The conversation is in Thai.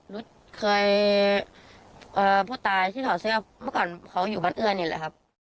เคยผู้ตายที่ถอดเสื้อเมื่อก่อนเขาอยู่บ้านเอื้อนี่แหละครับ